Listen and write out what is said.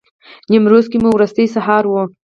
نیمروز کې مو وروستی سهار و.